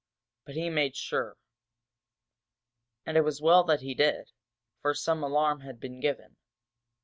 But he made sure. And it was well that he did. For some alarm had been given.